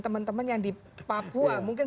teman teman yang di papua mungkin